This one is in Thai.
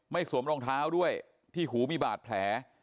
สวมรองเท้าด้วยที่หูมีบาดแผล